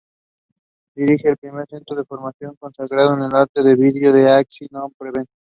Dirige el primer centro de formación consagrado al arte del vidrio en Aix-en-Provence.